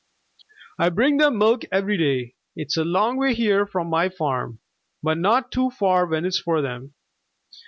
"I bring them milk every day. It's a long way here from my farm, but not too far when it's for them.